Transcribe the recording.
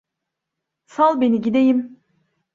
Sal beni gideyim!